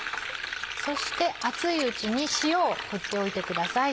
そして熱いうちに塩を振っておいてください。